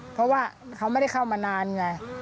เพราะว่าเขาไม่ได้เข้ามานานไง